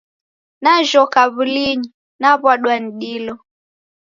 Najhoka w'ulinyi, naw'uadwa ni dilo